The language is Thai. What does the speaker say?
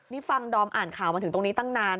นี่ฟังดอมอ่านข่าวมาถึงตรงนี้ตั้งนาน